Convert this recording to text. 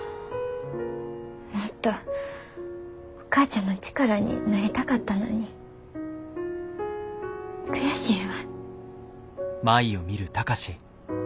もっとお母ちゃんの力になりたかったのに悔しいわ。